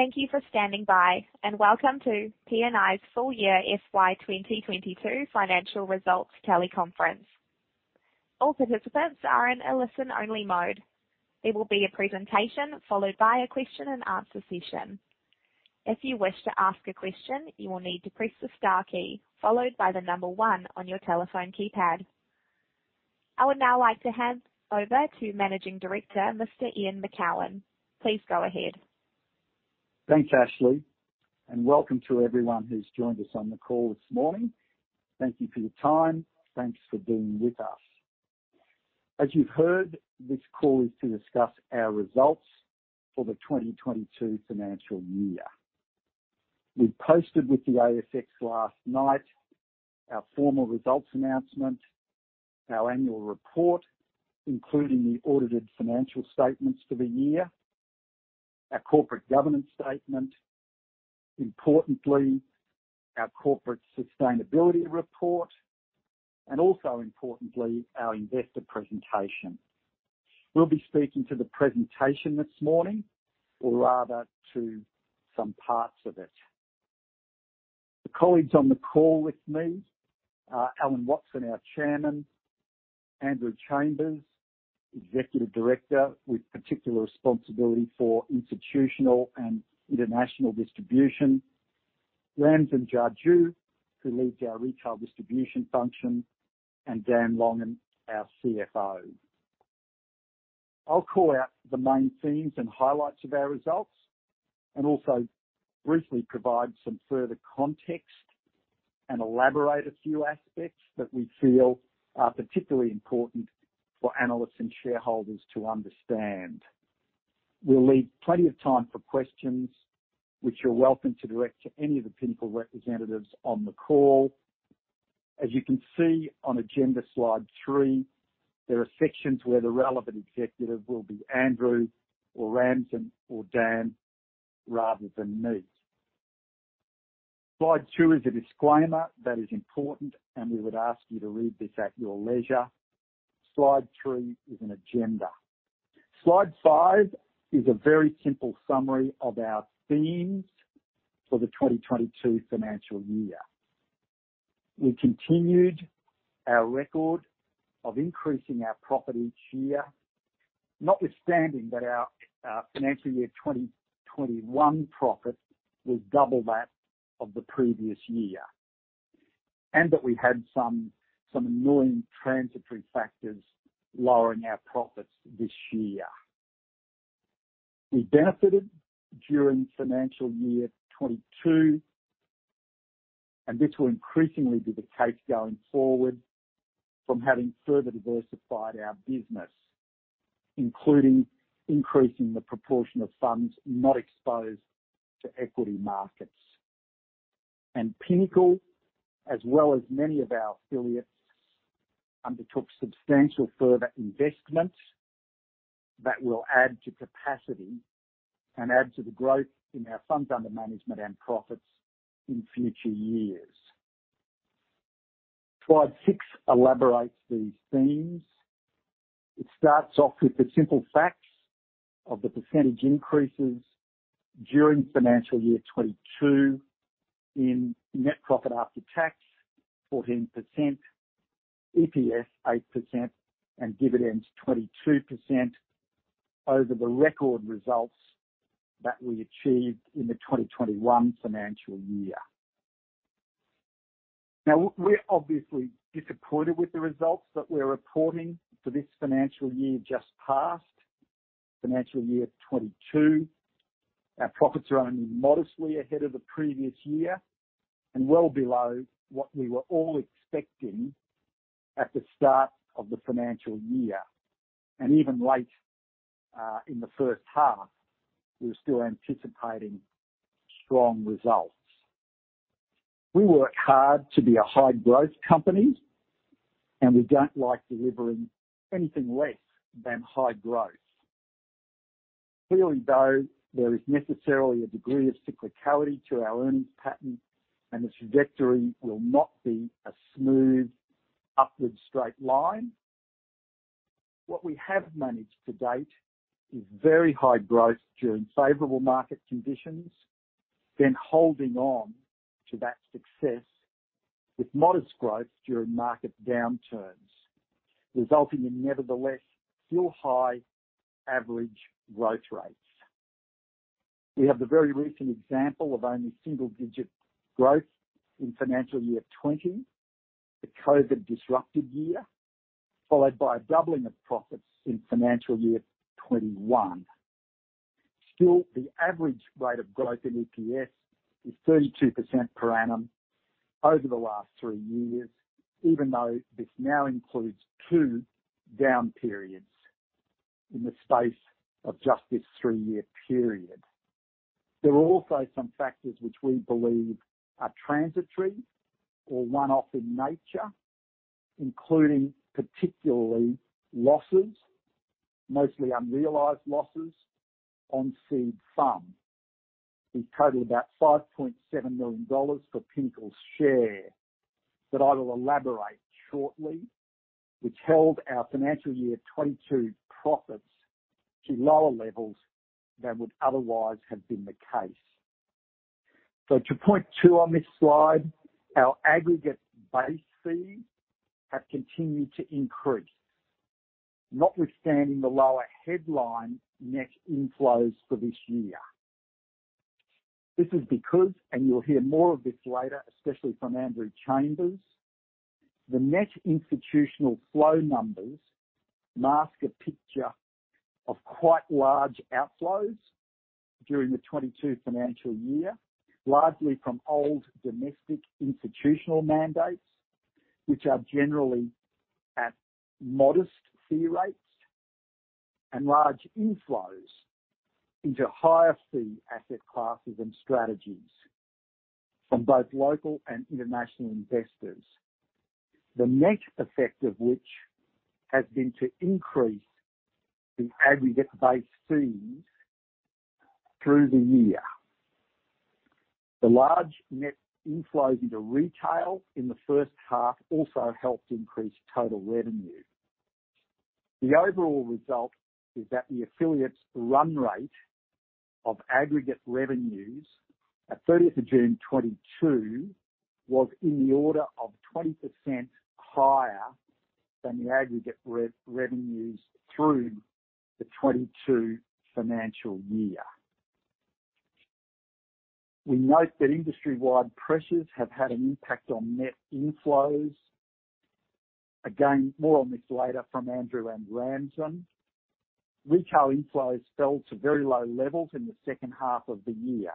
Thank you for standing by, and welcome to PNI's full year FY 2022 financial results teleconference. All participants are in a listen-only mode. There will be a presentation followed by a question and answer session. If you wish to ask a question, you will need to press the star key followed by the number one on your telephone keypad. I would now like to hand over to Managing Director, Mr. Ian Macoun. Please go ahead. Thanks, Ashley, and welcome to everyone who's joined us on the call this morning. Thank you for your time. Thanks for being with us. As you've heard, this call is to discuss our results for the 2022 financial year. We posted with the ASX last night our formal results announcement, our annual report, including the audited financial statements for the year, our corporate governance statement, importantly, our corporate sustainability report, and also importantly, our investor presentation. We'll be speaking to the presentation this morning, or rather to some parts of it. The colleagues on the call with me are Alan Watson, our Chairman, Andrew Chambers, Executive Director, with particular responsibility for institutional and international distribution, Ramsin Jajoo, who leads our retail distribution function, and Dan Longan, our CFO. I'll call out the main themes and highlights of our results and also briefly provide some further context and elaborate a few aspects that we feel are particularly important for analysts and shareholders to understand. We'll leave plenty of time for questions which you're welcome to direct to any of the Pinnacle representatives on the call. As you can see on agenda Slide 3, there are sections where the relevant executive will be Andrew or Ramsin or Dan, rather than me. Slide 2 is a disclaimer that is important and we would ask you to read this at your leisure. Slide 3 is an agenda. Slide 5 is a very simple summary of our themes for the 2022 financial year. We continued our record of increasing our profit each year, notwithstanding that our financial year 2021 profit was double that of the previous year. that we had some annoying transitory factors lowering our profits this year. We benefited during financial year 2022, and this will increasingly be the case going forward from having further diversified our business, including increasing the proportion of funds not exposed to equity markets. Pinnacle, as well as many of our affiliates, undertook substantial further investments that will add to capacity and add to the growth in our funds under management and profits in future years. Slide 6 elaborates these themes. It starts off with the simple facts of the percentage increases during financial year 2022 in net profit after tax 14%, EPS 8%, and dividends 22% over the record results that we achieved in the 2021 financial year. Now, we're obviously disappointed with the results that we're reporting for this financial year just passed, financial year 2022. Our profits are only modestly ahead of the previous year and well below what we were all expecting at the start of the financial year. Even late in the first half, we were still anticipating strong results. We work hard to be a high-growth company, and we don't like delivering anything less than high growth. Clearly, though there is necessarily a degree of cyclicality to our earnings pattern and the trajectory will not be a smooth upward straight line. What we have managed to date is very high growth during favorable market conditions, then holding on to that success with modest growth during market downturns, resulting in nevertheless still high average growth rates. We have the very recent example of only single-digit growth in financial year 2020, the COVID-disrupted year, followed by a doubling of profits in financial year 2021. Still, the average rate of growth in EPS is 32% per annum over the last three years, even though this now includes two down periods in the space of just this three-year period. There are also some factors which we believe are transitory or one-off in nature, including particularly losses, mostly unrealized losses on seed funds. We totaled about 5.7 million dollars for Pinnacle's share that I will elaborate shortly, which held our financial year 2022 profits to lower levels than would otherwise have been the case. To point two on this slide, our aggregate base fees have continued to increase, notwithstanding the lower headline net inflows for this year. This is because, and you'll hear more of this later, especially from Andrew Chambers, the net institutional flow numbers mask a picture of quite large outflows during the 2022 financial year, largely from old domestic institutional mandates, which are generally at modest fee rates and large inflows into higher fee asset classes and strategies from both local and international investors. The net effect of which has been to increase the aggregate base fees through the year. The large net inflows into retail in the first half also helped increase total revenue. The overall result is that the affiliates' run rate of aggregate revenues at 30th of June 2022 was in the order of 20% higher than the aggregate revenues through the 2022 financial year. We note that industry-wide pressures have had an impact on net inflows. Again, more on this later from Andrew and Ramsin. Retail inflows fell to very low levels in the second half of the year.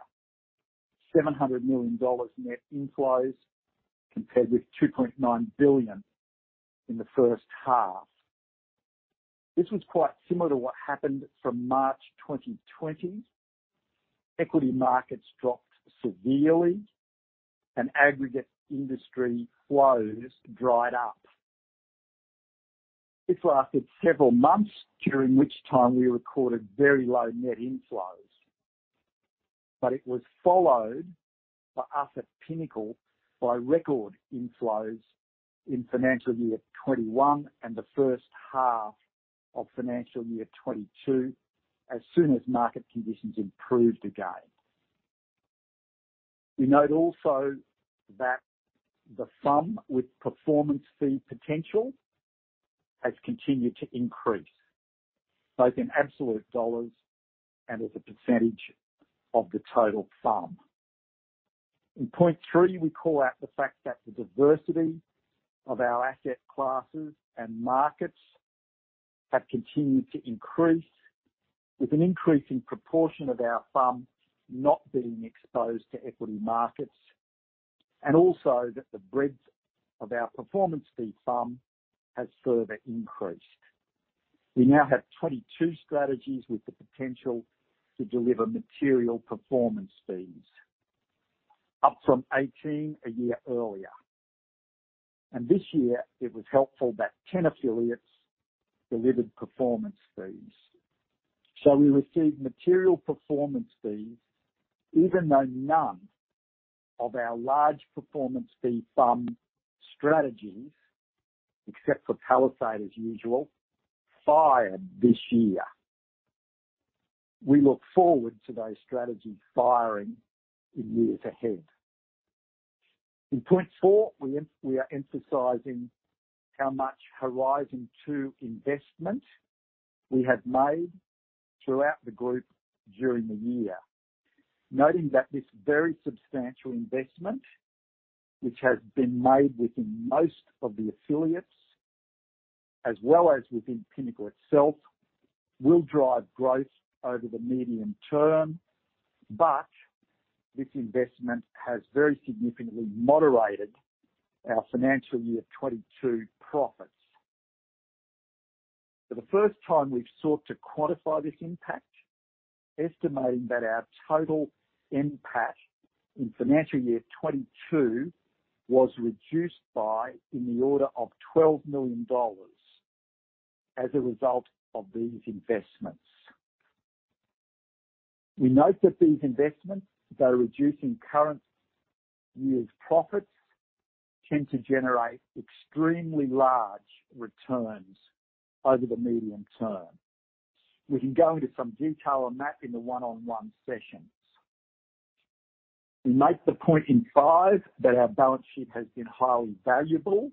700 million dollars net inflows compared with 2.9 billion in the first half. This was quite similar to what happened from March 2020. Equity markets dropped severely and aggregate industry flows dried up. This lasted several months, during which time we recorded very low net inflows. It was followed for us at Pinnacle by record inflows in financial year 2021 and the first half of financial year 2022, as soon as market conditions improved again. We note also that the FUM with performance fee potential has continued to increase, both in absolute dollars and as a percentage of the total FUM. In point three, we call out the fact that the diversity of our asset classes and markets have continued to increase with an increasing proportion of our FUM not being exposed to equity markets, and also that the breadth of our performance fee FUM has further increased. We now have 22 strategies with the potential to deliver material performance fees, up from 18 a year earlier. This year it was helpful that 10 affiliates delivered performance fees. We received material performance fees even though none of our large performance fee FUM strategies, except for Palisade as usual, fired this year. We look forward to those strategies firing in years ahead. In point four, we are emphasizing how much Horizon Two investment we have made throughout the group during the year. Noting that this very substantial investment, which has been made within most of the affiliates as well as within Pinnacle itself, will drive growth over the medium term, but this investment has very significantly moderated our financial year 2022 profits. For the first time, we've sought to quantify this impact, estimating that our total NPAT in financial year 2022 was reduced by, in the order of 12 million dollars as a result of these investments. We note that these investments, though reducing current year's profits, tend to generate extremely large returns over the medium term. We can go into some detail on that in the one-on-one sessions. We make the point in five that our balance sheet has been highly valuable.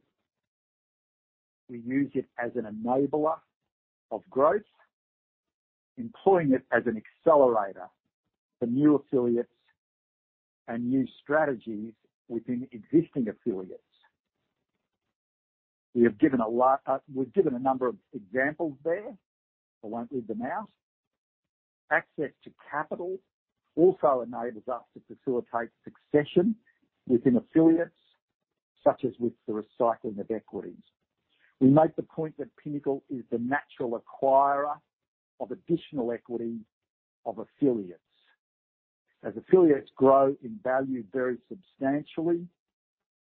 We use it as an enabler of growth, employing it as an accelerator for new affiliates and new strategies within existing affiliates. We have given a lot, we've given a number of examples there. I won't read them out. Access to capital also enables us to facilitate succession within affiliates, such as with the recycling of equities. We make the point that Pinnacle is the natural acquirer of additional equity of affiliates. As affiliates grow in value very substantially.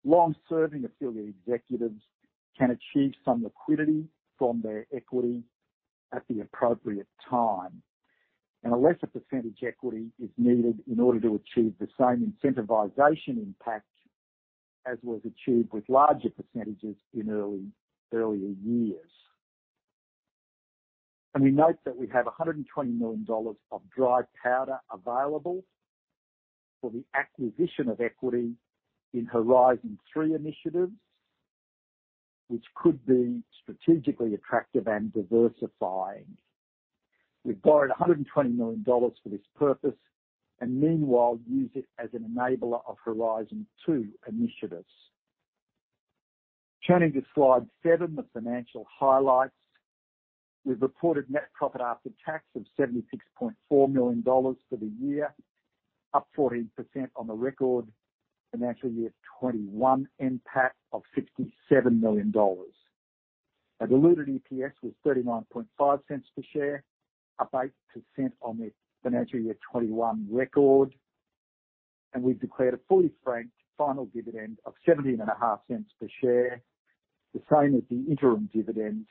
Long-serving affiliate executives can achieve some liquidity from their equity at the appropriate time, and a lesser percentage equity is needed in order to achieve the same incentivization impact as was achieved with larger percentages in earlier years. We note that we have 120 million dollars of dry powder available for the acquisition of equity in Horizon Three initiatives, which could be strategically attractive and diversifying. We've borrowed 120 million dollars for this purpose and meanwhile use it as an enabler of Horizon Two initiatives. Turning to Slide 7, the financial highlights. We've reported net profit after tax of 76.4 million dollars for the year, up 14% on the record financial year 2021 NPAT of 67 million dollars. A diluted EPS was 0.315 per share, up 8% on the financial year 2021 record. We've declared a fully franked final dividend of 0.175 per share, the same as the interim dividend,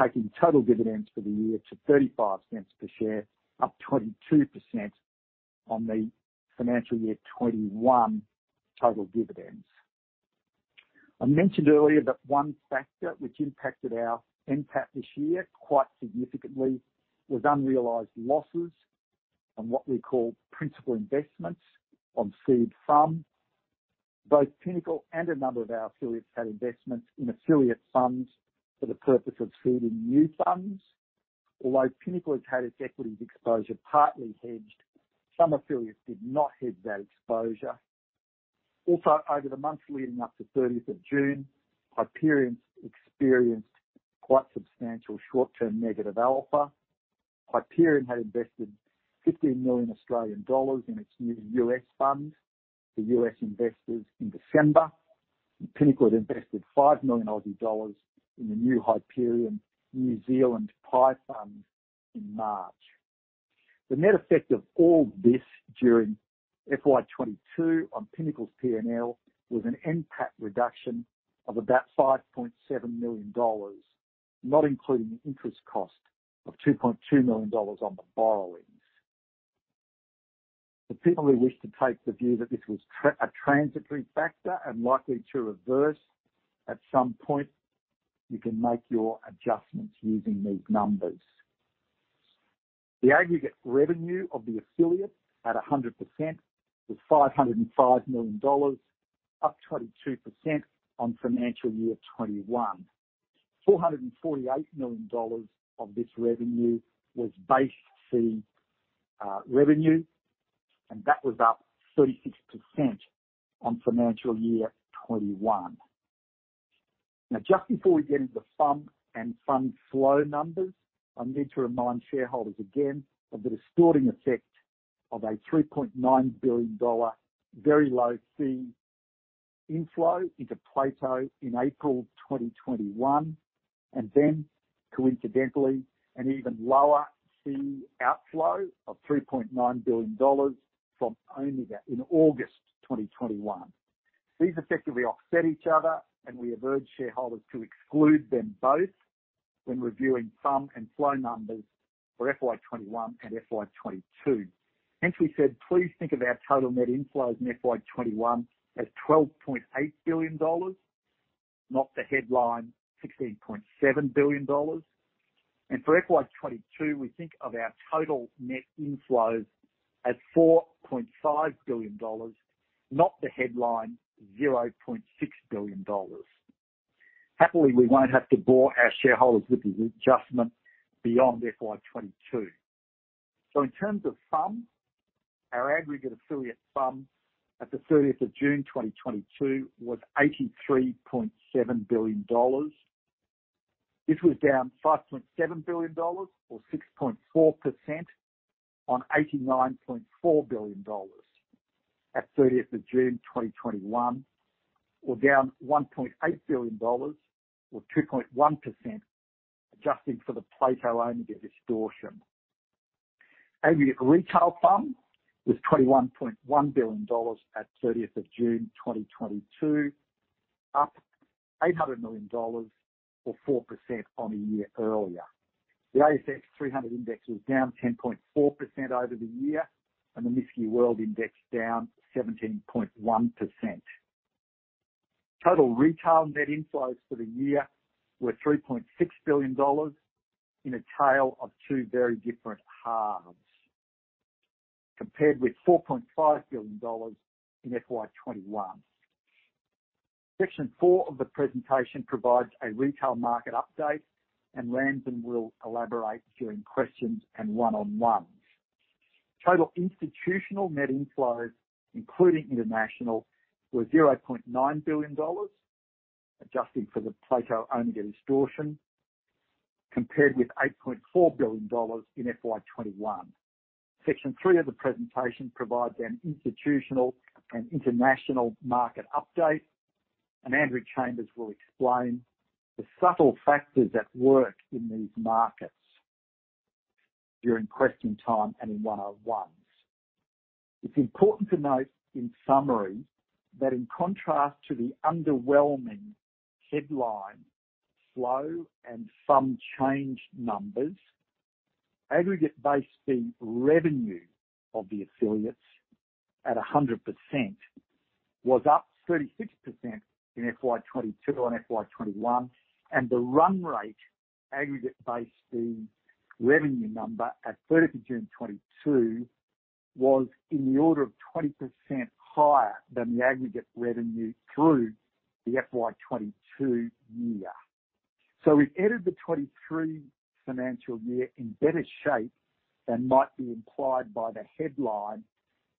taking total dividends for the year to 0.35 per share, up 22% on the financial year 2021 total dividends. I mentioned earlier that one factor which impacted our NPAT this year quite significantly was unrealized losses on what we call principal investments on seed funds. Both Pinnacle and a number of our affiliates had investments in affiliate funds for the purpose of seeding new funds. Although Pinnacle has had its equities exposure partly hedged, some affiliates did not hedge that exposure. Also, over the months leading up to 30th of June, Hyperion has experienced quite substantial short-term negative alpha. Hyperion had invested 15 million Australian dollars in its new U.S. fund for U.S. Investors in December. Pinnacle had invested 5 million Aussie dollars in the new Hyperion New Zealand PIE funds in March. The net effect of all this during FY 2022 on Pinnacle's P&L was an NPAT reduction of about 5.7 million dollars, not including the interest cost of 2.2 million dollars on the borrowings. For people who wish to take the view that this was a transitory factor and likely to reverse at some point, you can make your adjustments using these numbers. The aggregate revenue of the affiliates at 100% was 505 million dollars, up 22% on financial year 2021. 448 million dollars of this revenue was base fee revenue, and that was up 36% on financial year 2021. Now, just before we get into the fund and fund flow numbers, I need to remind shareholders again of the distorting effect of a 3.9 billion dollar very low fee inflow into Plato in April 2021, and then coincidentally, an even lower fee outflow of 3.9 billion dollars from Omega in August 2021. These effectively offset each other, and we have urged shareholders to exclude them both when reviewing fund and flow numbers for FY 2021 and FY 2022. Hence, we said, please think of our total net inflows in FY 2021 as AUD 12.8 billion, not the headline AUD 16.7 billion. For FY 2022, we think of our total net inflows as 4.5 billion dollars, not the headline 0.6 billion dollars. Happily, we won't have to bore our shareholders with these adjustments beyond FY 2022. In terms of funds, our aggregate affiliate funds at the 30th of June 2022 was 83.7 billion dollars. This was down 5.7 billion dollars or 6.4% on 89.4 billion dollars at 30th of June 2021, or down 1.8 billion dollars or 2.1%, adjusting for the Plato Omega distortion. Aggregate retail funds was 21.1 billion dollars at 30th of June 2022, up 800 million dollars or 4% on a year earlier. The ASX 300 index was down 10.4% over the year, and the MSCI World Index down 17.1%. Total retail net inflows for the year were 3.6 billion dollars in a tale of two very different halves, compared with 4.5 billion dollars in FY 2021. Section four of the presentation provides a retail market update, and Ramsin will elaborate during questions and one-on-ones. Total institutional net inflows, including international, were 0.9 billion dollars, adjusting for the Plato Omega distortion, compared with 8.4 billion dollars in FY 2021. Section three of the presentation provides an institutional and international market update, and Andrew Chambers will explain the subtle factors at work in these markets. During question time and in one-on-ones. It's important to note in summary that in contrast to the underwhelming headline flows and FUM change numbers, aggregate base fee revenue of the affiliates at 100% was up 36% in FY 2022 on FY 2021, and the run rate aggregate base fee revenue number at 30th June 2022 was in the order of 20% higher than the aggregate revenue through the FY 2022 year. We've entered the 2023 financial year in better shape than might be implied by the headline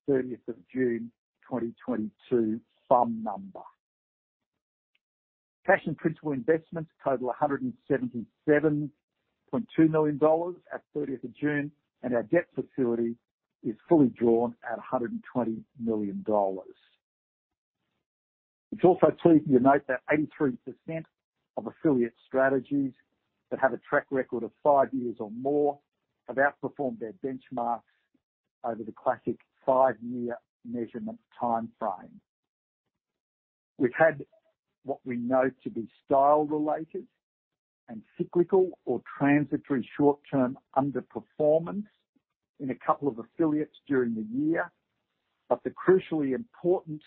30th June 2022 FUM number. Cash and principal investments total 177.2 million dollars at 30th June, and our debt facility is fully drawn at 120 million dollars. It's also pleasing to note that 83% of affiliate strategies that have a track record of five years or more have outperformed their benchmarks over the classic five-year measurement timeframe. We've had what we know to be style related and cyclical or transitory short-term underperformance in a couple of affiliates during the year, but the crucially important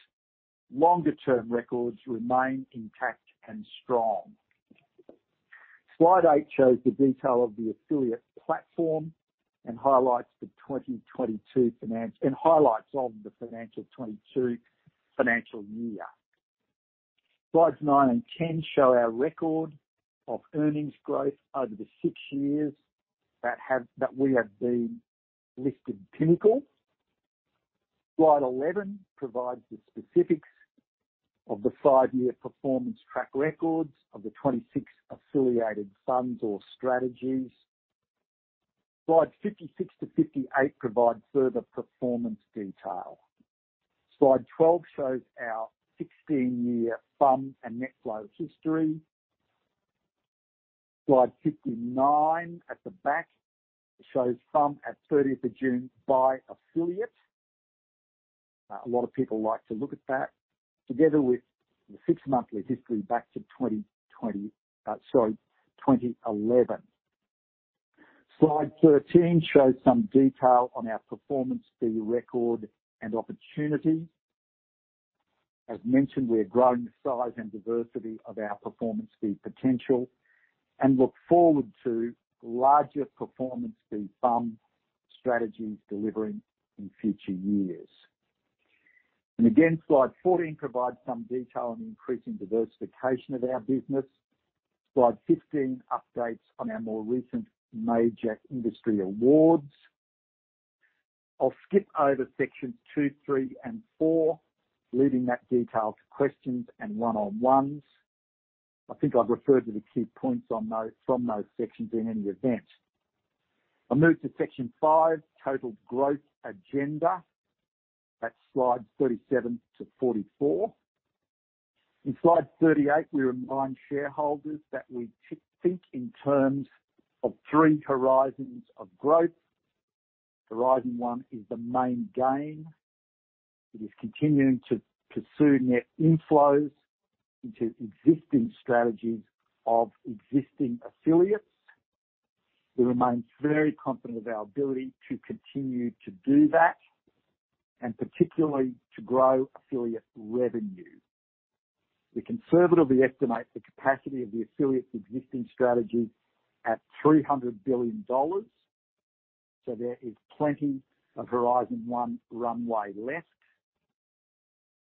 longer-term records remain intact and strong. Slide 8 shows the detail of the affiliate platform and highlights of the 2022 financial year. Slides 9 and 10 show our record of earnings growth over the six years that we have been listed Pinnacle. Slide 11 provides the specifics of the five-year performance track records of the 26 affiliated funds or strategies. Slides 56 to 58 provide further performance detail. Slide 12 shows our 16-year FUM and net flows history. Slide 59 at the back shows FUM at 30th of June by affiliate. A lot of people like to look at that together with the six-monthly history back to 2011. Slide 13 shows some detail on our performance fee record and opportunities. As mentioned, we are growing the size and diversity of our performance fee potential and look forward to larger performance fee FUM strategies delivering in future years. Again, Slide 14 provides some detail on the increasing diversification of our business. Slide 15 updates on our more recent MAIJAC industry awards. I'll skip over sections two, three, and four, leaving that detail to questions and one-on-ones. I think I've referred to the key points on those, from those sections in any event. I'll move to section five, total growth agenda. That's Slides 37 to 44. In Slide 38, we remind shareholders that we think in terms of three horizons of growth. Horizon One is the main game. It is continuing to pursue net inflows into existing strategies of existing affiliates. We remain very confident of our ability to continue to do that, and particularly to grow affiliate revenue. We conservatively estimate the capacity of the affiliates' existing strategies at 300 billion dollars, so there is plenty of Horizon One runway left.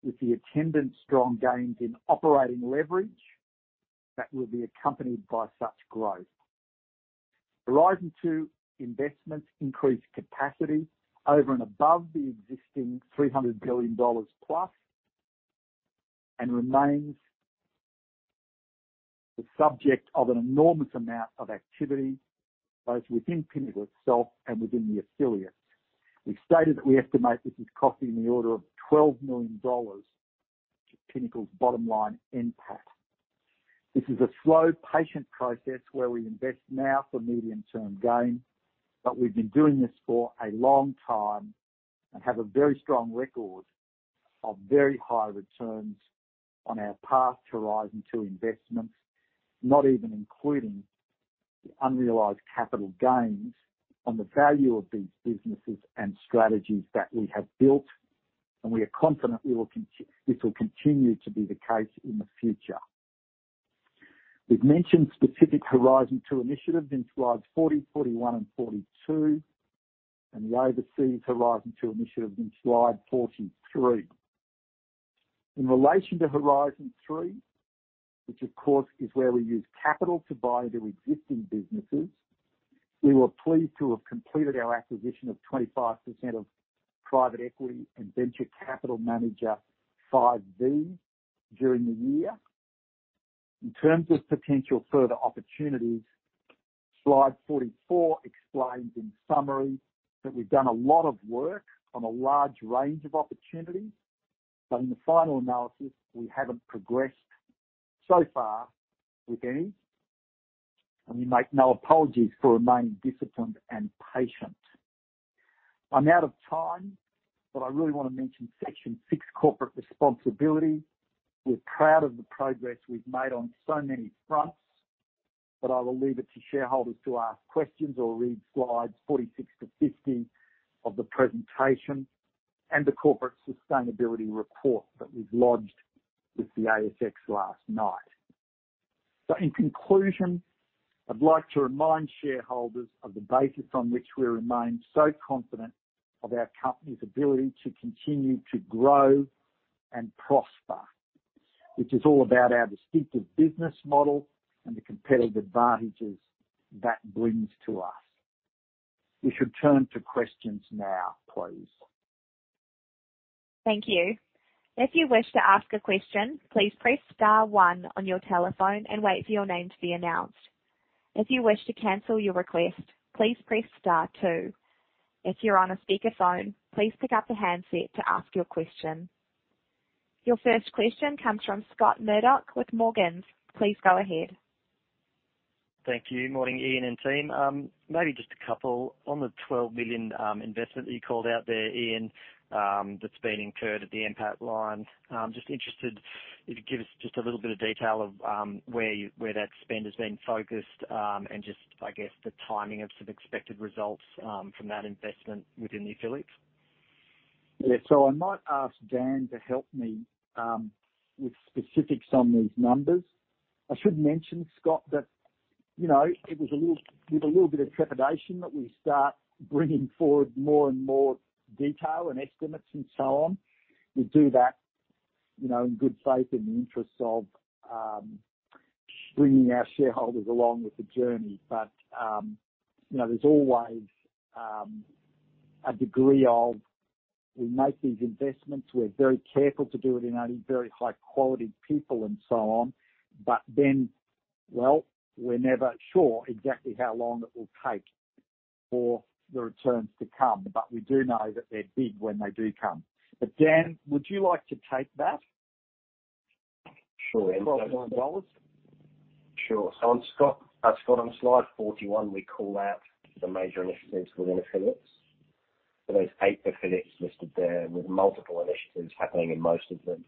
With the attendant strong gains in operating leverage that will be accompanied by such growth. Horizon Two investments increase capacity over and above the existing AUD 300 billion+, and remains the subject of an enormous amount of activity, both within Pinnacle itself and within the affiliates. We've stated that we estimate this is costing in the order of 12 million dollars to Pinnacle's bottom line NPAT. This is a slow, patient process where we invest now for medium-term gain, but we've been doing this for a long time and have a very strong record of very high returns on our path to Horizon Two investments, not even including the unrealized capital gains on the value of these businesses and strategies that we have built, and we are confident this will continue to be the case in the future. We've mentioned specific Horizon Two initiatives in Slides 40, 41 and 42, and the overseas Horizon Two initiative in Slide 43. In relation to Horizon Three, which of course is where we use capital to buy into existing businesses, we were pleased to have completed our acquisition of 25% of private equity and venture capital manager Five V Capital during the year. In terms of potential further opportunities, Slide 44 explains in summary that we've done a lot of work on a large range of opportunities, but in the final analysis, we haven't progressed so far with any, and we make no apologies for remaining disciplined and patient. I'm out of time, but I really want to mention section six, corporate responsibility. We're proud of the progress we've made on so many fronts, but I will leave it to shareholders to ask questions or read Slides 46 to 50 of the presentation and the corporate sustainability report that we've lodged with the ASX last night. In conclusion, I'd like to remind shareholders of the basis on which we remain so confident of our company's ability to continue to grow and prosper, which is all about our distinctive business model and the competitive advantages that brings to us. We should turn to questions now, please. Thank you. If you wish to ask a question, please press star one on your telephone and wait for your name to be announced. If you wish to cancel your request, please press star two. If you're on a speakerphone, please pick up the handset to ask your question. Your first question comes from Scott Murdoch with Morgans. Please go ahead. Thank you. Morning, Ian and team. Maybe just a couple. On the 12 million investment that you called out there, Ian, that's been incurred at the P&L line. I'm just interested if you could give us just a little bit of detail of where that spend has been focused, and just, I guess, the timing of some expected results from that investment within the affiliates. Yeah. I might ask Dan to help me with specifics on these numbers. I should mention, Scott, that you know with a little bit of trepidation that we start bringing forward more and more detail and estimates and so on. We do that you know in good faith in the interests of bringing our shareholders along with the journey. You know there's always a degree of we make these investments. We're very careful to do it in only very high quality people and so on. Well we're never sure exactly how long it will take for the returns to come, but we do know that they're big when they do come. Dan, would you like to take that? Sure. AUD 12. Sure. On Scott, on slide 41, we call out the major initiatives within affiliates. There's eight affiliates listed there, with multiple initiatives happening in most of them.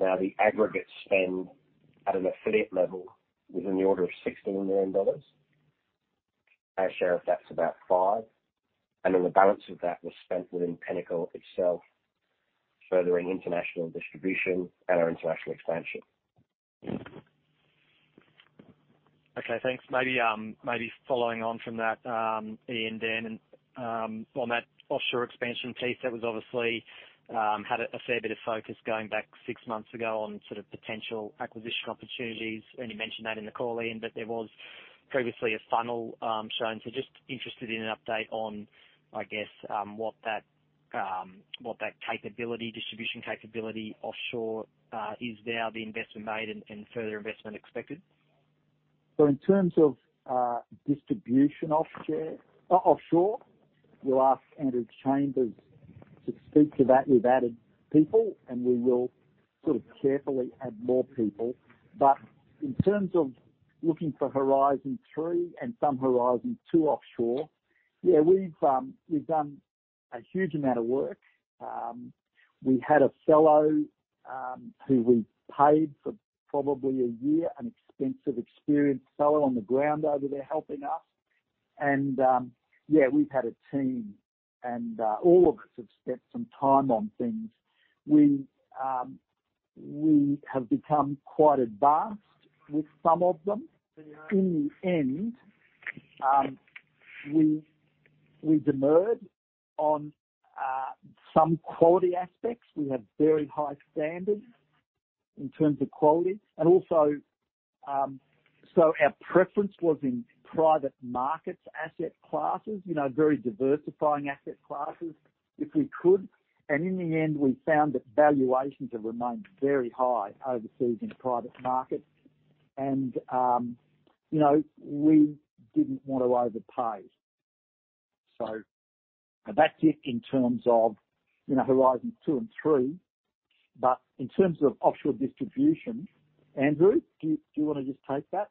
Now, the aggregate spend at an affiliate level was in the order of 16 million dollars. Our share of that's about 5 million. The balance of that was spent within Pinnacle itself, furthering international distribution and our international expansion. Okay, thanks. Maybe following on from that, Ian, Dan, and on that offshore expansion piece that was obviously had a fair bit of focus going back six months ago on sort of potential acquisition opportunities. You mentioned that in the call Ian, but there was previously a funnel shown. So just interested in an update on, I guess, what that distribution capability offshore is now, the investment made and further investment expected. In terms of distribution offshore, we'll ask Andrew Chambers to speak to that. We've added people, and we will sort of carefully add more people. In terms of looking for Horizon Three and some Horizon Two offshore, we've done a huge amount of work. We had a fellow who we paid for probably a year, an expensive, experienced fellow on the ground over there helping us. We've had a team, and all of us have spent some time on things. We have become quite advanced with some of them. In the end, we demurred on some quality aspects. We have very high standards in terms of quality. Our preference was in private markets, asset classes, you know, very diversifying asset classes, if we could. In the end, we found that valuations have remained very high overseas in private markets. You know, we didn't want to overpay. That's it in terms of, you know, Horizon Two and Three. In terms of offshore distribution, Andrew, do you wanna just take that?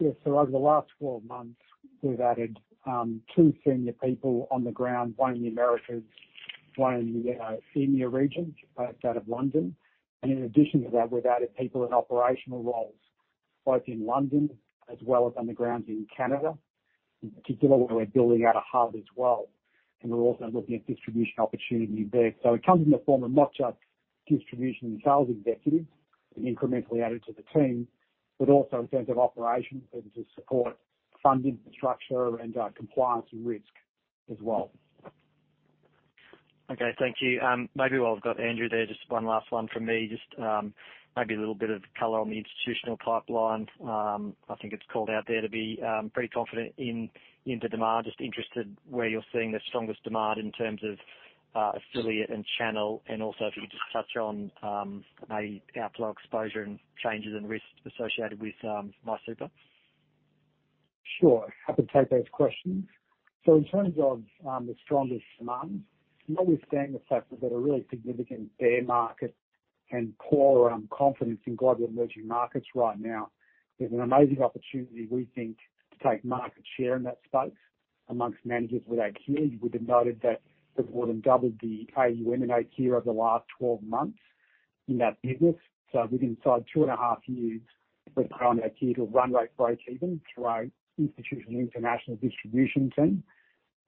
Yes. Over the last 12 months, we've added two senior people on the ground, one in the Americas, one in the EMEA region, based out of London. In addition to that, we've added people in operational roles, both in London as well as on the ground in Canada, in particular, where we're building out a hub as well. We're also looking at distribution opportunity there. It comes in the form of not just distribution and sales executives being incrementally added to the team, but also in terms of operations and to support fund infrastructure and, compliance and risk as well. Okay. Thank you. Maybe while I've got Andrew there, just one last one from me, just maybe a little bit of color on the institutional pipeline. I think it's called out there to be pretty confident in the demand. Just interested where you're seeing the strongest demand in terms of affiliate and channel and also if you could just touch on maybe our plug exposure and changes in risk associated with MySuper. Sure. Happy to take those questions. In terms of the strongest demand, notwithstanding the fact that there are really significant bear markets and poor confidence in global emerging markets right now, there's an amazing opportunity, we think, to take market share in that space amongst managers with Aikya. You would have noted that we've more than doubled the AUM in Aikya over the last 12 months in that business. Within 2.5 years, we've put on Aikya to a runway break-even through our institutional and international distribution team.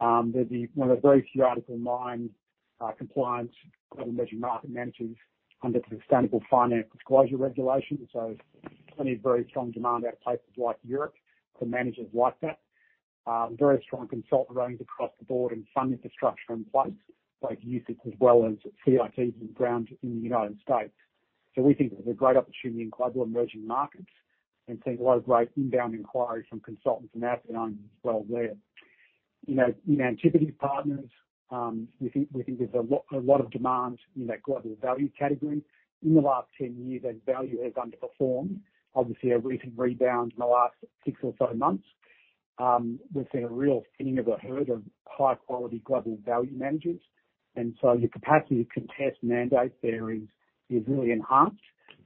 We'll be one of the very few Article nine-compliant global emerging market managers under the Sustainable Finance Disclosure Regulation. Plenty of very strong demand out of places like Europe for managers like that. Very strong consultant ratings across the board and fund infrastructure in place, both UCITS as well as CITs on the ground in the United States. We think there's a great opportunity in global emerging markets and seeing a lot of great inbound inquiries from consultants and asset owners as well there. You know, in Antipodes Partners, we think there's a lot of demand in that global value category. In the last 10 years, as value has underperformed, obviously a recent rebound in the last six or so months, we've seen a real thinning of the herd of high-quality global value managers. Your capacity to contest mandates there is really enhanced.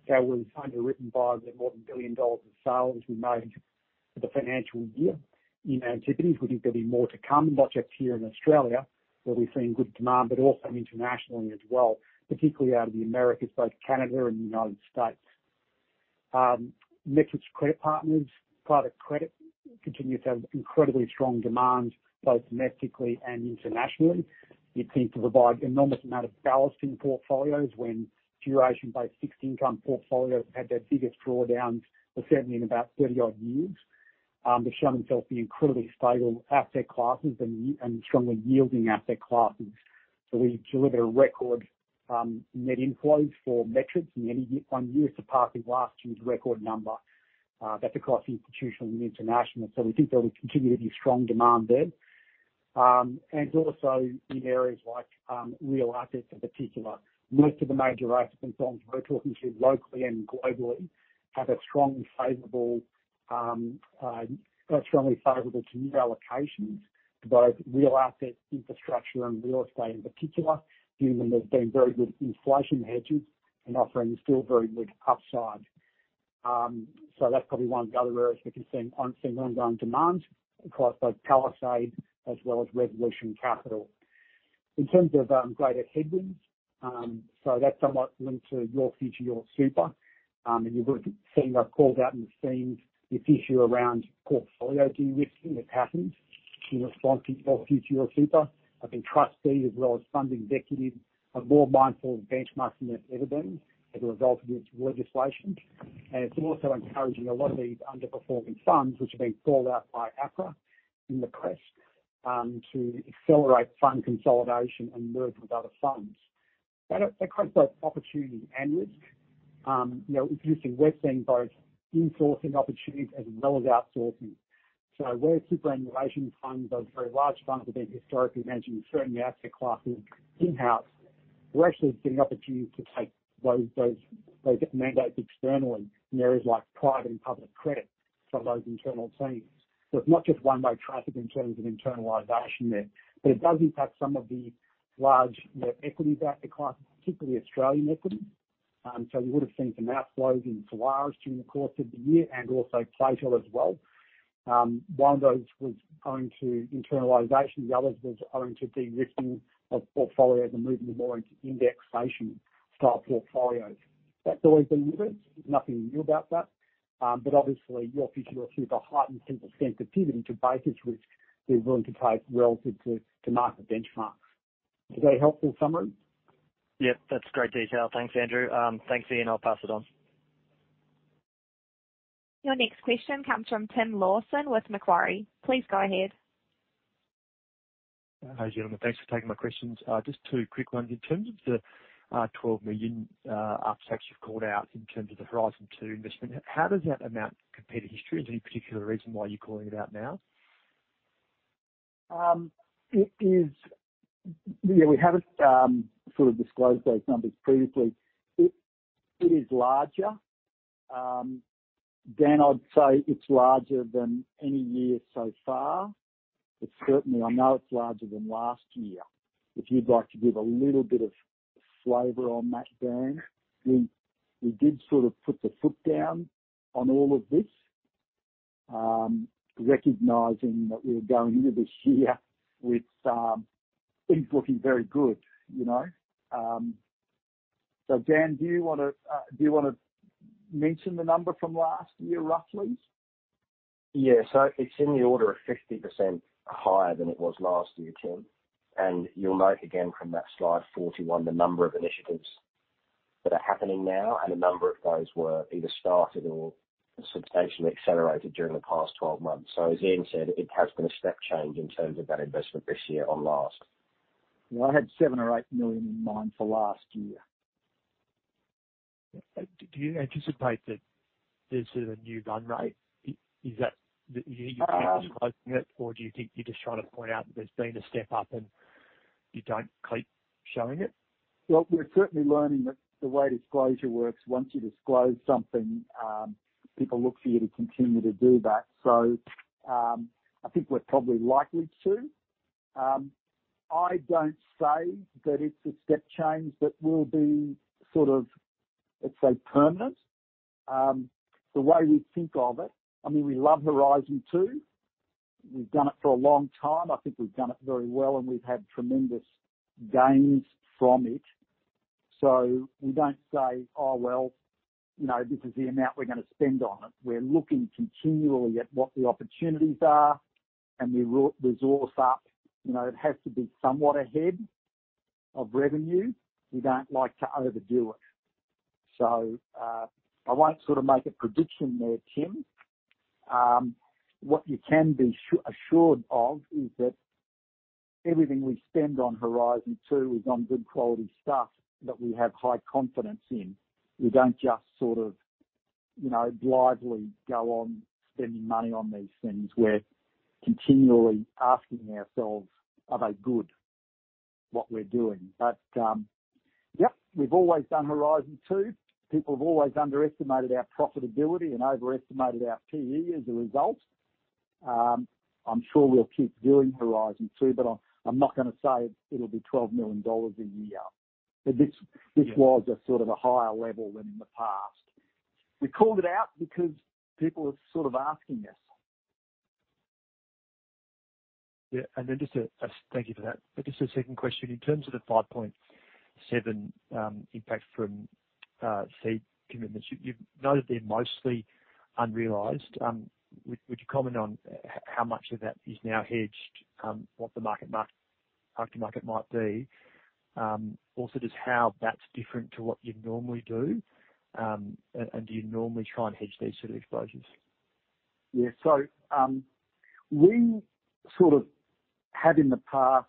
We've underwritten by the more than 1 billion dollars of sales we made for the financial year. In Antipodes Partners, we think there'll be more to come, not just here in Australia, where we've seen good demand, but also internationally as well, particularly out of the Americas, both Canada and the United States. Metrics Credit Partners private credit continues to have incredibly strong demand both domestically and internationally. It seems to provide an enormous amount of ballast in portfolios when duration-based fixed income portfolios had their biggest drawdowns, certainly in about 30-odd years. They've shown themselves to be incredibly stable asset classes and strongly yielding asset classes. We delivered a record net inflows for Metrics in any year-on-year to surpass last year's record number. That's across institutional and international. We think there will continue to be strong demand there. Also in areas like real assets in particular. Most of the major asset consultants we're talking to locally and globally are strongly favorable to new allocations to both real asset infrastructure and real estate in particular, given they've been very good inflation hedges and offering still very good upside. That's probably one of the other areas we can see ongoing demand across both Palisade as well as Resolution Capital. In terms of greater headwinds, that's somewhat linked to Your Future, Your Super. You would have seen or called out in the scenes this issue around portfolio de-risking that's happened in response to Your Future, Your Super. Trustees as well as fund executives are more mindful of benchmarking than it's ever been as a result of this legislation. It's also encouraging a lot of these underperforming funds, which have been called out by APRA in the press, to accelerate fund consolidation and merge with other funds. That creates both opportunity and risk. You know, interestingly, we're seeing both in-sourcing opportunities as well as outsourcing. Where superannuation funds, those very large funds that have been historically managing certain asset classes in-house, we're actually seeing opportunities to take those mandates externally in areas like private and public credit from those internal teams. It's not just one-way traffic in terms of internalization there, but it does impact some of the large, you know, equity asset classes, particularly Australian equity. You would have seen some outflows in Talaria during the course of the year and also Plato as well. One of those was owing to internalization, the other was owing to de-risking of portfolios and moving them more into indexation-style portfolios. That's always been with us. Nothing new about that. Obviously Your Future, Your Super heightened simple sensitivity to basis which we're willing to take relative to market benchmarks. Is that a helpful summary? Yep, that's great detail. Thanks, Andrew. Thanks, Ian. I'll pass it on. Your next question comes from Tim Lawson with Macquarie. Please go ahead. Hi, gentlemen. Thanks for taking my questions. Just two quick ones. In terms of the 12 million upsides you've called out in terms of the Horizon Two investment, how does that amount compare to history? Is there any particular reason why you're calling it out now? Yeah, we haven't sort of disclosed those numbers previously. It is larger. Dan, I'd say it's larger than any year so far. It's certainly, I know it's larger than last year. If you'd like to give a little bit of flavor on that, Dan. We did sort of put the foot down on all of this, recognizing that we were going into this year with things looking very good, you know. Dan, do you wanna mention the number from last year, roughly? Yeah. It's in the order of 50% higher than it was last year, Tim. You'll note again from that Slide 41, the number of initiatives that are happening now and a number of those were either started or substantially accelerated during the past 12 months. As Ian said, it has been a step change in terms of that investment this year on last. Well, I had 7 million to 8 million in mind for last year. Do you anticipate that there's sort of a new run rate? Is that you keep disclosing it or do you think you're just trying to point out that there's been a step up and- You don't keep showing it? Well, we're certainly learning that the way disclosure works, once you disclose something, people look for you to continue to do that. I think we're probably likely to. I don't say that it's a step change that will be sort of, let's say, permanent. The way we think of it, I mean, we love Horizon Two. We've done it for a long time. I think we've done it very well, and we've had tremendous gains from it. We don't say, "Oh, well, you know, this is the amount we're gonna spend on it." We're looking continually at what the opportunities are and we resource up. You know, it has to be somewhat ahead of revenue. We don't like to overdo it. I won't sort of make a prediction there, Tim. What you can be assured of is that everything we spend on Horizon Two is on good quality stuff that we have high confidence in. We don't just sort of, you know, blithely go on spending money on these things. We're continually asking ourselves, are they good, what we're doing? We've always done Horizon Two. People have always underestimated our profitability and overestimated our P/E as a result. I'm sure we'll keep doing Horizon Two, but I'm not gonna say it'll be 12 million dollars a year. This was a sort of a higher level than in the past. We called it out because people are sort of asking us. Thank you for that. Just a second question. In terms of the 5.7 impact from seed commitments, you've noted they're mostly unrealized. Would you comment on how much of that is now hedged, what the mark-to-market might be? Also just how that's different to what you'd normally do, and do you normally try and hedge these sort of exposures? Yeah. We sort of have in the past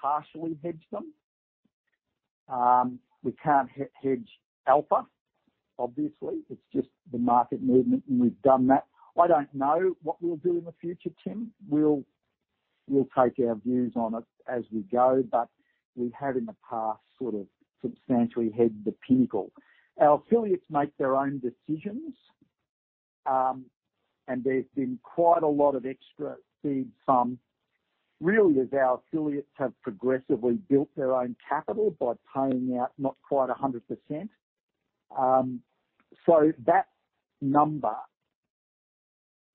partially hedged them. We can't hedge alpha, obviously. It's just the market movement, and we've done that. I don't know what we'll do in the future, Tim. We'll take our views on it as we go, but we have in the past sort of substantially hedged the Pinnacle. Our affiliates make their own decisions, and there's been quite a lot of extra seed funds, really as our affiliates have progressively built their own capital by paying out not quite 100%. That number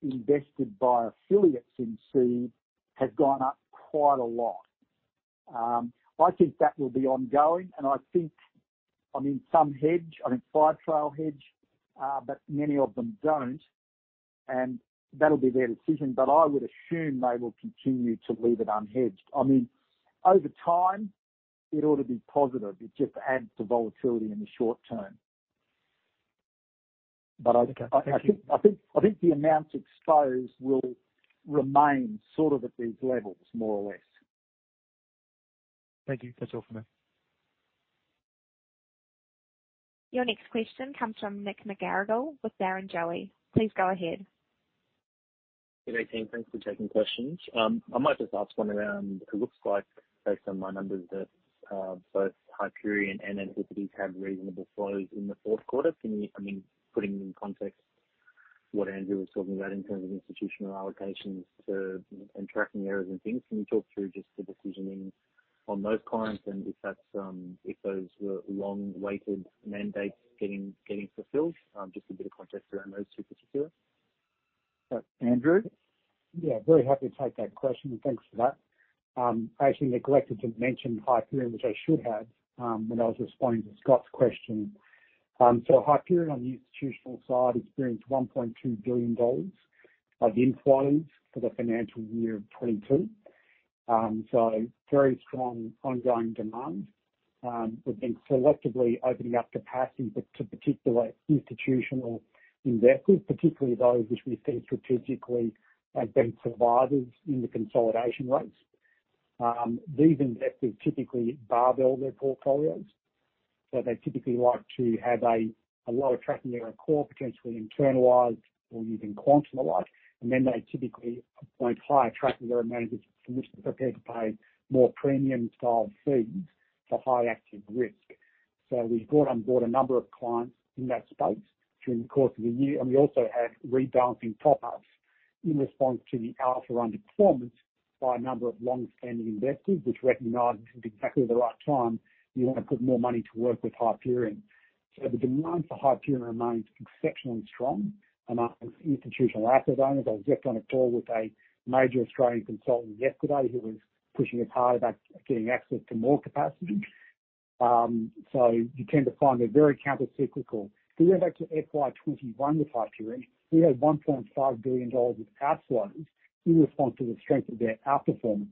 invested by affiliates in seed has gone up quite a lot. I think that will be ongoing, and I think, I mean, some hedge, I mean, Firetrail hedge, but many of them don't, and that'll be their decision, but I would assume they will continue to leave it unhedged. I mean, over time, it ought to be positive. It just adds to volatility in the short term. But I think. Okay. Thank you. I think the amounts exposed will remain sort of at these levels more or less. Thank you. That's all from me. Your next question comes from Nick McGarrigle with Barrenjoey. Please go ahead. Good day, team. Thanks for taking questions. I might just ask one around. It looks like based on my numbers that both Hyperion and Antipodes have reasonable flows in the fourth quarter. I mean, putting in context what Andrew was talking about in terms of institutional allocations to, and tracking errors and things, can you talk through just the decisioning on those clients and if that's, if those were long-awaited mandates getting fulfilled? Just a bit of context around those two particular. Andrew? Yeah. Very happy to take that question. Thanks for that. I actually neglected to mention Hyperion, which I should have, when I was responding to Scott's question. Hyperion on the institutional side experienced 1.2 billion dollars of inquiries for the financial year of 2022. Very strong ongoing demand. We've been selectively opening up capacity but to particular institutional investors, particularly those which we see strategically have been survivors in the consolidation rates. These investors typically barbell their portfolios. They typically like to have a low tracking error core potentially internalized or using quant and the like. Then they typically appoint higher tracking error managers for which they're prepared to pay more premium-style fees for high active risk. We've brought on board a number of clients in that space during the course of the year, and we also had rebalancing top-ups in response to the alpha underperformance by a number of long-standing investors which recognized this is exactly the right time you want to put more money to work with Hyperion. The demand for Hyperion remains exceptionally strong among institutional asset owners. I was just on a call with a major Australian consultant yesterday who was pushing us hard about getting access to more capacity. You tend to find they're very countercyclical. If you go back to FY 2021 with Hyperion, we had 1.5 billion dollars of outflows in response to the strength of their outperformance.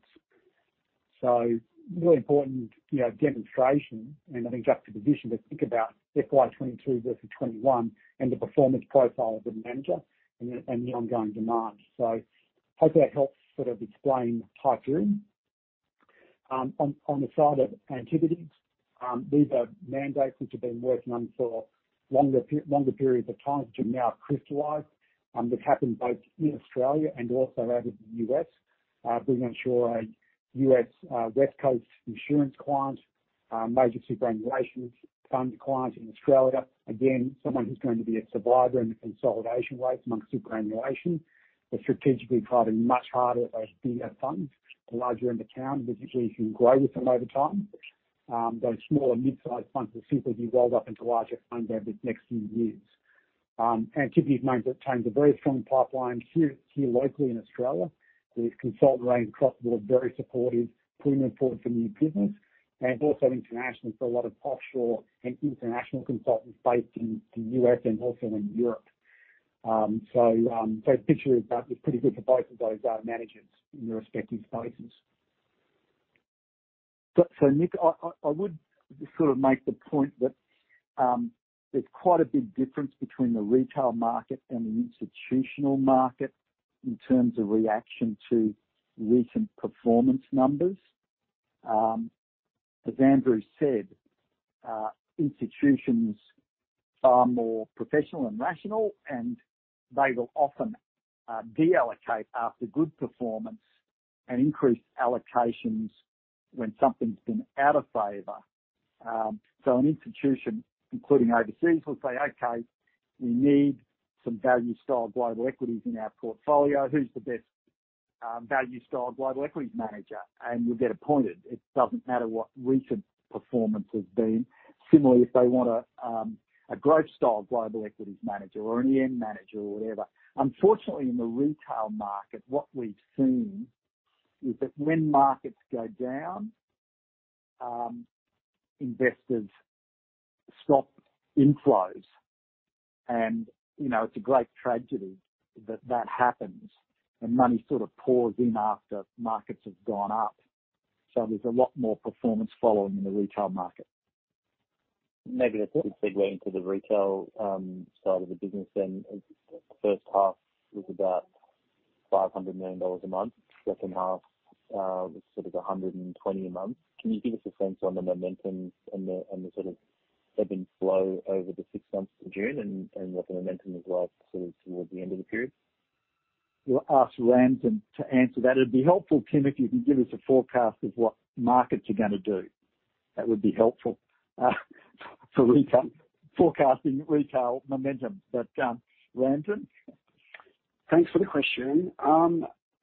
Really important, you know, demonstration and I think juxtaposition to think about FY 2022 versus FY 2021 and the performance profile of the manager and the ongoing demand. Hope that helps sort of explain Hyperion. On the side of Antipodes, these are mandates which we've been working on for longer periods of time, which have now crystallized. That happened both in Australia and also out in the U.S. We secured a U.S. West Coast insurance client, a major superannuation fund client in Australia. Again, someone who's going to be a survivor in the consolidation wave among superannuation. They're strategically targeting much harder those bigger funds, the larger end of town, because usually you can grow with them over time. Those smaller mid-sized funds will simply be rolled up into larger funds over the next few years. Antipodes managed to obtain a very strong pipeline here locally in Australia, with consultants and cross-border, very supportive, pulling them forward for new business and also internationally for a lot of offshore and international consultants based in U.S. and also in Europe. The picture is that it's pretty good for both of those managers in their respective spaces. Nick, I would sort of make the point that, there's quite a big difference between the retail market and the institutional market in terms of reaction to recent performance numbers. As Andrew said, institutions are more professional and rational, and they will often de-allocate after good performance and increase allocations when something's been out of favor. An institution, including overseas, will say, "Okay, we need some value-style global equities in our portfolio. Who's the best value-style global equities manager?" We'll get appointed. It doesn't matter what recent performance has been. Similarly, if they want a growth style global equities manager or an EM manager or whatever. Unfortunately, in the retail market, what we've seen is that when markets go down, investors stop inflows and, you know, it's a great tragedy that happens and money sort of pours in after markets have gone up. There's a lot more performance following in the retail market. Maybe that's a good segue into the retail side of the business then. The first half was about 500 million dollars a month. Second half was sort of 120 million a month. Can you give us a sense on the momentum and the sort of ebb and flow over the six months to June and what the momentum was like sort of towards the end of the period? We'll ask Ramsin to answer that. It'd be helpful, Tim, if you can give us a forecast of what markets are gonna do. That would be helpful for retail, forecasting retail momentum. Ramsin? Thanks for the question.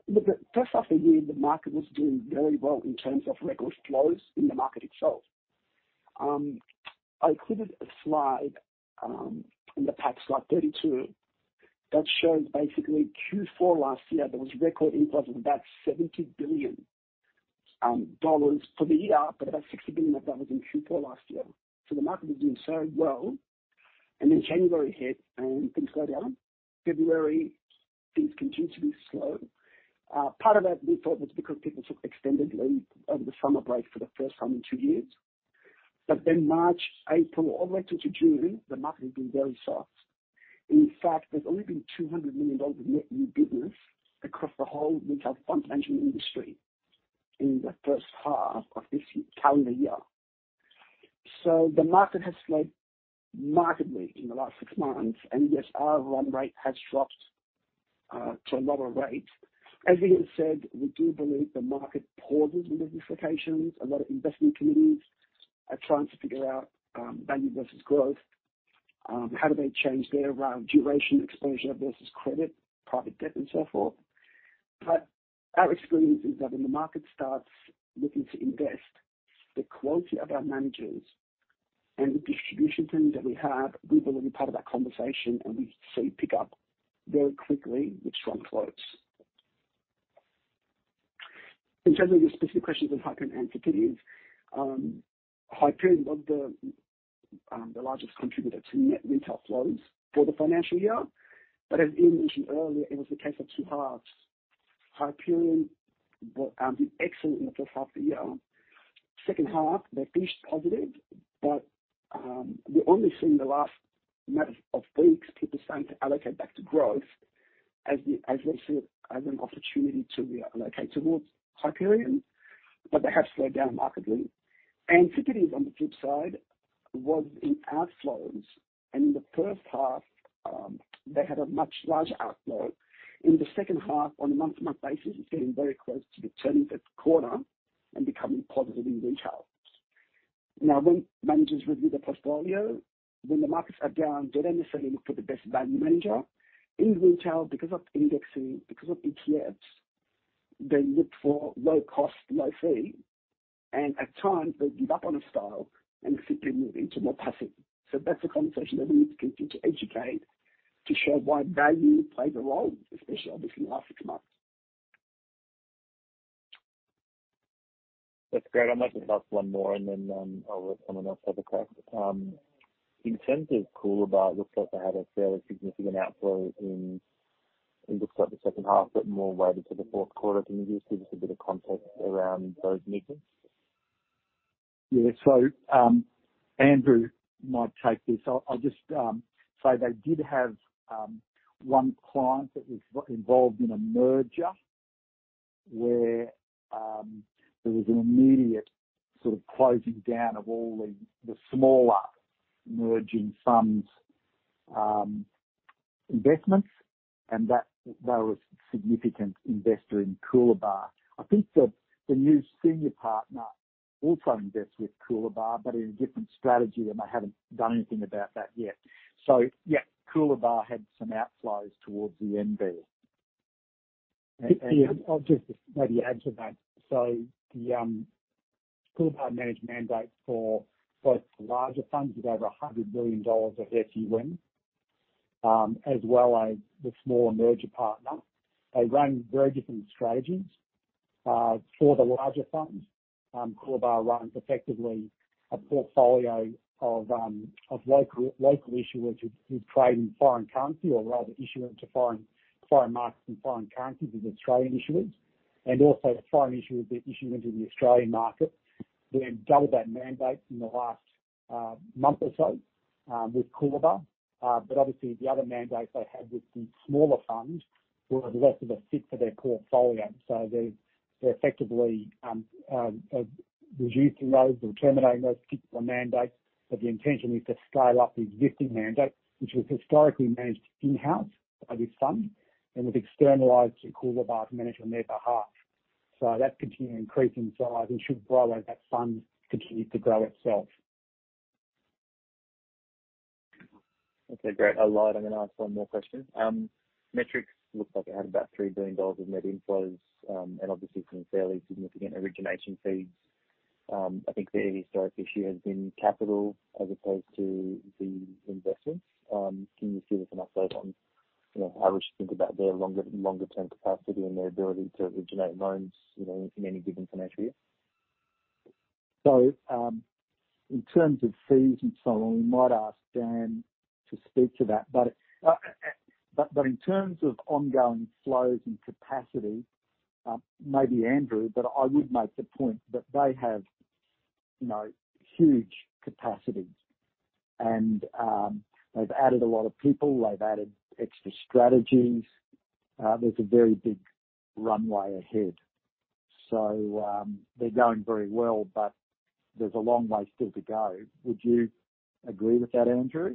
Look, first off the year, the market was doing very well in terms of record flows in the market itself. I included a slide in the pack, slide 32, that shows basically Q4 last year, there was record inflows of about 70 billion dollars for the year, but about 60 billion dollars of that was in Q4 last year. The market was doing so well. January hit and things go down. February, things continue to be slow. Part of that we thought was because people took extended leave over the summer break for the first time in two years. March, April, all the way through to June, the market has been very soft. In fact, there's only been 200 million dollars of net new business across the whole retail fund management industry in the first half of this calendar year. The market has slowed markedly in the last six months, and yes, our run rate has dropped to a lower rate. As Ian said, we do believe the market pauses in these situations. A lot of investment committees are trying to figure out value versus growth, how do they change their duration exposure versus credit, private debt and so forth. Our experience is that when the market starts looking to invest, the quality of our managers and the distribution team that we have, we believe part of that conversation, and we see pick up very quickly with strong flows. In terms of your specific questions on Hyperion Antipodes, Hyperion was the largest contributor to net retail flows for the financial year. As Ian mentioned earlier, it was a case of two halves. Hyperion did excellent in the first half of the year. Second half, they finished positive, but we're only seeing the last few weeks people starting to allocate back to growth as they see it as an opportunity to reallocate towards Hyperion, but they have slowed down markedly. Antipodes on the flip side was in outflows, and in the first half they had a much larger outflow. In the second half on a month-to-month basis, it's getting very close to be turning that corner and becoming positive in retail. Now, when managers review the portfolio, when the markets are down, they don't necessarily look for the best value manager. In retail because of indexing, because of ETFs, they look for low cost, low fee, and at times they give up on a style and simply move into more passive. That's a conversation that we need to continue to educate to show why value plays a role, especially obviously in the last six months. That's great. I might just ask one more and then, I'll let someone else have a crack. In terms of Coolabah, looks like they had a fairly significant outflow in, it looks like the second half, but more weighted to the fourth quarter. Can you just give us a bit of context around those movements? Yeah. Andrew might take this. I'll just say they did have one client that was involved in a merger where there was an immediate sort of closing down of all the smaller emerging funds investments, and that they were a significant investor in Coolabah. I think the new senior partner also invests with Coolabah, but in a different strategy, and they haven't done anything about that yet. Yeah, Coolabah had some outflows towards the end there. I'll just maybe add to that. Coolabah manages mandates for both the larger funds with over 100 billion dollars of FC lending, as well as the small merger partner. They run very different strategies for the larger funds. Coolabah runs effectively a portfolio of local issuers who trade in foreign currency or rather issuance to foreign markets and foreign currencies with Australian issuers. Also foreign issuers that issue into the Australian market. We have doubled that mandate in the last month or so with Coolabah. Obviously the other mandates they had with the smaller funds were less of a fit for their portfolio. They're effectively reducing those or terminating those particular mandates. The intention is to scale up the existing mandate, which was historically managed in-house by this fund and was externalized to Coolabah for management on their behalf. That's continuing increasing size and should grow as that fund continues to grow itself. Okay, great. I lied. I'm gonna ask one more question. Metrics looks like it had about 3 billion dollars of net inflows, and obviously some fairly significant origination fees. I think the historic issue has been capital as opposed to the investments. Can you give us an update on, you know, how we should think about their longer-term capacity and their ability to originate loans, you know, in any given financial year? In terms of fees and so on, we might ask Dan to speak to that. In terms of ongoing flows and capacity, maybe Andrew, but I would make the point that they have, you know, huge capacity and, they've added a lot of people, they've added extra strategies. There's a very big runway ahead. They're going very well, but there's a long way still to go. Would you agree with that, Andrew?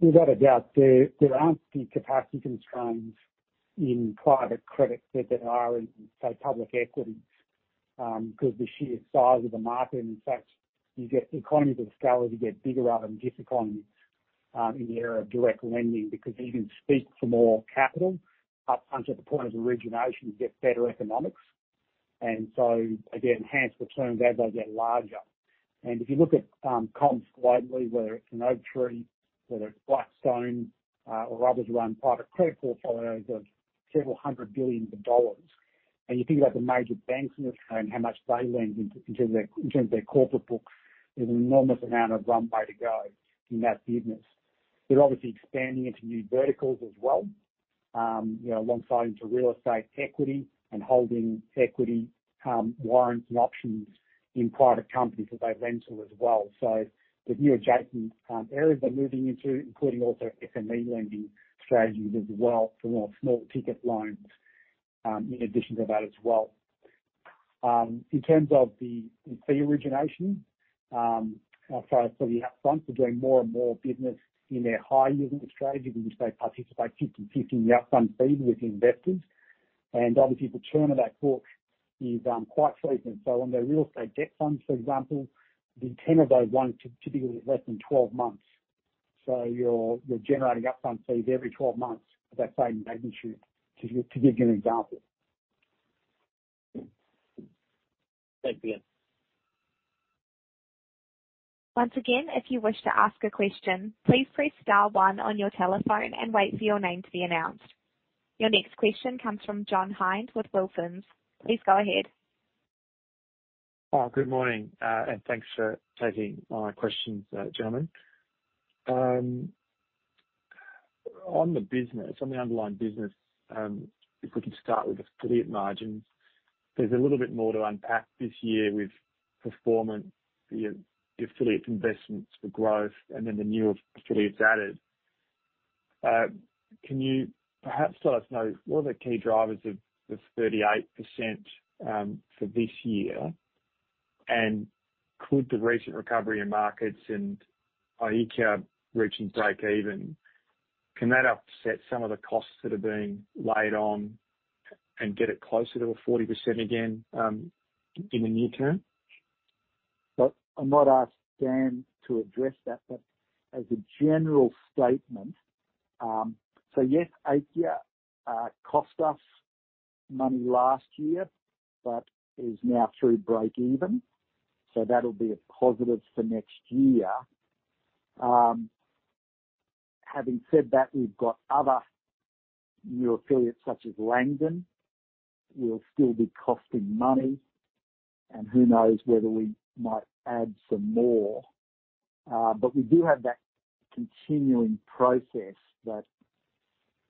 Without a doubt, there aren't the capacity constraints in private credit that there are in, say, public equity, 'cause the sheer size of the market. In fact, you get economies of scale as you get bigger rather than diseconomies, in the area of direct lending because you can speak for more capital up until the point of origination, you get better economics. Again, enhanced returns as they get larger. If you look at comps globally, whether it's an Oaktree, whether it's Blackstone, or others who run private credit portfolios of several hundred billion dollars, and you think about the major banks in Australia and how much they lend in terms of their corporate books, there's an enormous amount of runway to go in that business. They're obviously expanding into new verticals as well. You know, alongside into real estate equity and holding equity, warrants and options in private companies that they lend to as well. There's new adjacent areas they're moving into, including also SME lending strategies as well. More small ticket loans in addition to that as well. In terms of the origination, as far as for the upfront, we're doing more and more business in their high yield strategies, in which they participate 50/50 in the upfront fee with the investors. Obviously the turn of that book is quite frequent. On their real estate debt funds, for example, the tenor of those loans typically less than 12 months. You're generating upfront fees every 12 months of that same magnitude to give you an example. Thanks, Ian. Once again, if you wish to ask a question, please press star one on your telephone and wait for your name to be announced. Your next question comes from John Hynd with Wilsons. Please go ahead. Oh, good morning, and thanks for taking my questions, gentlemen. On the business, on the underlying business, if we could start with affiliate margins, there's a little bit more to unpack this year with performance, the affiliate investments for growth and then the new affiliates added. Can you perhaps let us know what are the key drivers of this 38%, for this year? Could the recent recovery in markets and Aikya reaching breakeven, can that offset some of the costs that are being laid on and get it closer to a 40% again, in the near term? Look, I might ask Dan to address that, but as a general statement, yes, Aikya cost us money last year, but is now through breakeven, so that'll be a positive for next year. Having said that, we've got other new affiliates such as Langdon, who'll still be costing money and who knows whether we might add some more. We do have that continuing process that,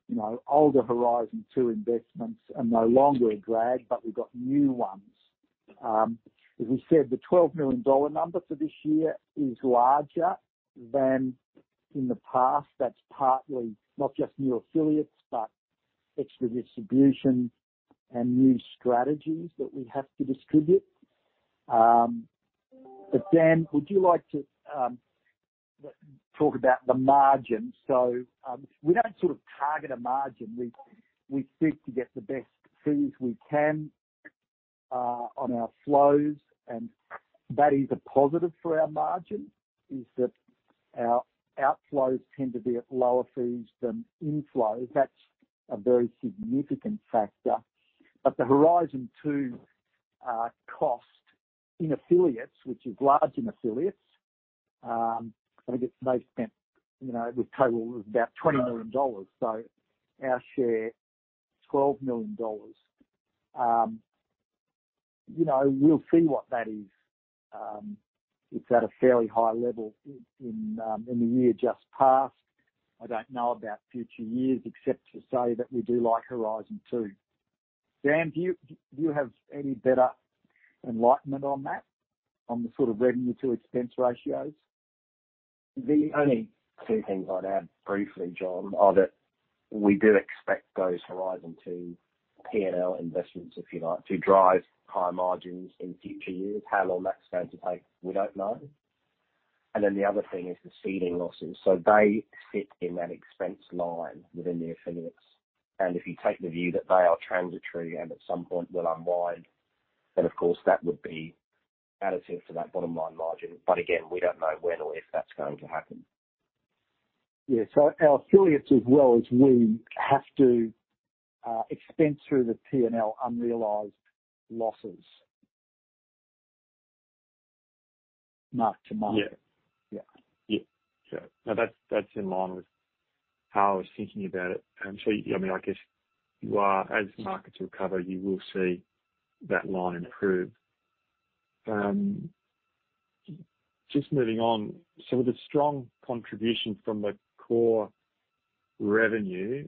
you know, older Horizon Two investments are no longer a drag, but we've got new ones. As we said, the 12 million dollar number for this year is larger than in the past. That's partly not just new affiliates, but extra distribution and new strategies that we have to distribute. Dan, would you like to talk about the margin? We don't sort of target a margin. We seek to get the best fees we can on our flows. That is a positive for our margin, is that our outflows tend to be at lower fees than inflows. That's a very significant factor. The Horizon Two cost in affiliates, which is large in affiliates, I think it's they spent, you know, the total was about 20 million dollars. So our share, 12 million dollars. You know, we'll see what that is. It's at a fairly high level in the year just passed. I don't know about future years except to say that we do like Horizon Two. Dan, do you have any better enlightenment on that, on the sort of revenue to expense ratios? The only two things I'd add briefly, John, are that we do expect those Horizon Two P&L investments, if you like, to drive high margins in future years. How long that's going to take, we don't know. The other thing is the seeding losses. They sit in that expense line within the affiliates and if you take the view that they are transitory and at some point will unwind, then of course that would be additive to that bottom line margin. Again, we don't know when or if that's going to happen. Yeah. Our affiliates as well as we have to expense through the P&L unrealized losses. Mark to market. Yeah. Yeah. Now that's in line with how I was thinking about it. I mean, I guess you are, as markets recover, you will see that line improve. Just moving on, with a strong contribution from the core revenue,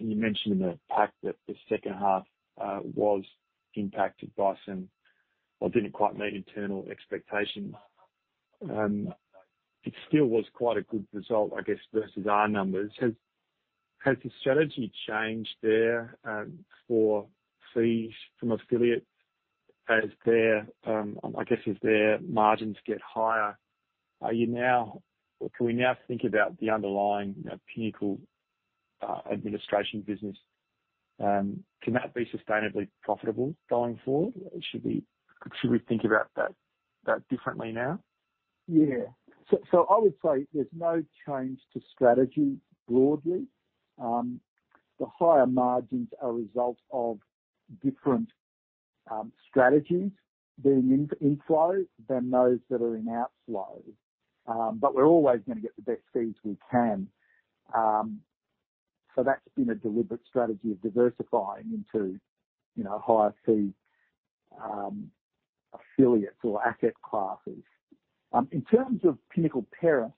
and you mentioned in the pack that the second half was impacted by some or didn't quite meet internal expectations. It still was quite a good result, I guess, versus our numbers. Has the strategy changed there for fees from affiliates as their margins get higher? Are you now or can we now think about the underlying, you know, Pinnacle administration business? Can that be sustainably profitable going forward? Should we think about that differently now? I would say there's no change to strategy broadly. The higher margins are a result of different strategies being in inflows than those that are in outflows. We're always going to get the best fees we can. That's been a deliberate strategy of diversifying into, you know, higher fee affiliates or asset classes. In terms of Pinnacle Parent,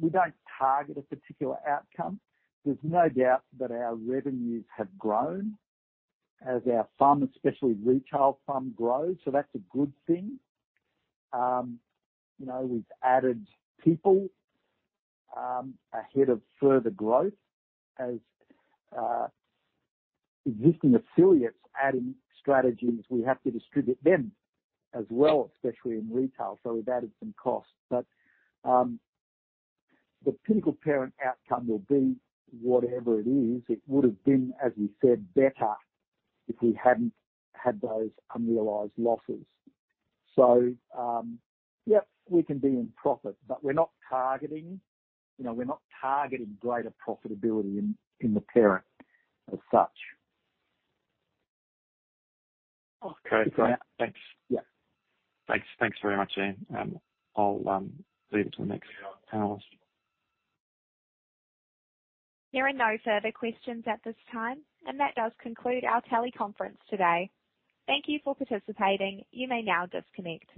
we don't target a particular outcome. There's no doubt that our revenues have grown as our FUM, especially retail FUM grows. That's a good thing. We've added people ahead of further growth as existing affiliates adding strategies, we have to distribute them as well, especially in retail. We've added some costs. The Pinnacle Parent outcome will be whatever it is, it would have been, as we said, better if we hadn't had those unrealized losses. Yep, we can be in profit, but we're not targeting greater profitability in the parent as such. Okay. Great. Thanks. Yeah. Thanks. Thanks very much, Ian. I'll leave it to the next panelist. There are no further questions at this time, and that does conclude our teleconference today. Thank you for participating. You may now disconnect.